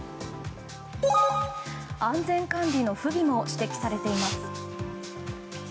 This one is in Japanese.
安全管理の不備も指摘されています。